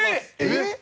えっ！